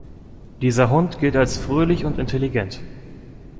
Dieser Hund gilt als fröhlich und intelligent.